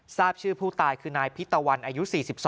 ทราบชื่อผู้ตายคือนายพิตะวันอายุ๔๒